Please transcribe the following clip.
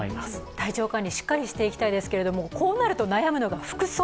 体調管理、しっかりしていきたいですけれどもこうなると悩むのが服装